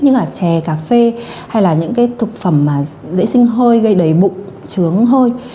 như là chè cà phê hay là những cái thực phẩm mà dễ sinh hơi gây đầy bụng trướng hơi